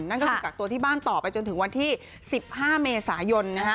นั่นก็คือกักตัวที่บ้านต่อไปจนถึงวันที่๑๕เมษายนนะฮะ